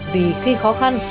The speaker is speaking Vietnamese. vì khi khó khăn